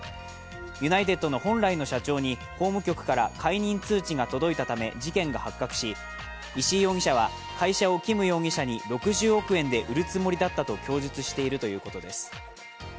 ユナイテッドの本来の社長に法務局から解任通知が届いたため事件が発覚し、石井容疑者は会社をキム容疑者に６０億円で売るつもりだったと供述しているということです。